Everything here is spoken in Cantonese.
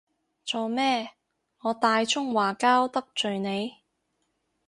做咩，我大中華膠得罪你？